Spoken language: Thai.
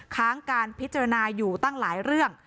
ค้างการพิจารณาอยู่ตั้งหลายเรื่อง